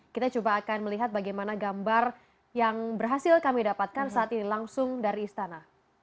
kita coba akan melihat bagaimana gambar yang berhasil kami dapatkan saat ini langsung dari istana